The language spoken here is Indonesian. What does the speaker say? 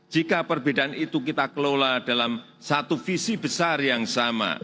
jika perbedaan itu kita kelola dalam satu visi besar yang sama